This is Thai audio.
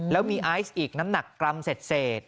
แล้วมีไอซ์อีกน้ำหนักกรัมเศษ